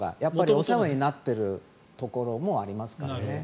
お世話になっているところもありますからね。